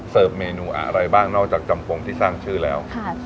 เมนูอะไรบ้างนอกจากจำปงที่สร้างชื่อแล้ว